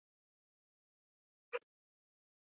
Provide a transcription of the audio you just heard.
Ella es representada como la esposa de Roger Rabbit.